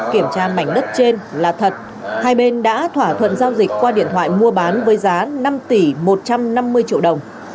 kiểm tra mảnh đất trên là thật hai bên đã thỏa thuận giao dịch qua điện thoại mua bán với giá năm tỷ một trăm năm mươi triệu đồng